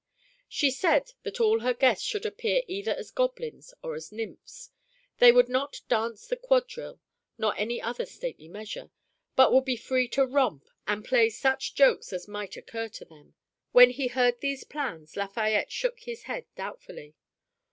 She said that all her guests should appear either as goblins or as nymphs. They would not dance the quadrille nor any other stately measure, but would be free to romp and play such jokes as might occur to them. When he heard these plans Lafayette shook his head doubtfully.